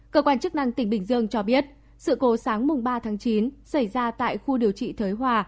cơ quan chức năng tỉnh bình dương cho biết sự cố sáng mùng ba tháng chín xảy ra tại khu điều trị thới hòa